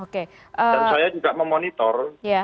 dan saya juga memonitor